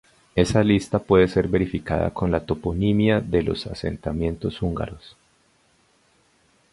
Esa lista puede ser verificada con la toponimia de los asentamientos húngaros.